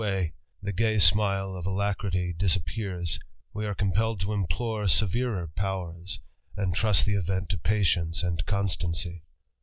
_ e gay smile of alacrity disappears, we are compelled re^seVefeTpowers, and trust the event to patience itancy.